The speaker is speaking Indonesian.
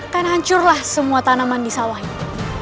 kan hancurlah semua tanaman di sawah itu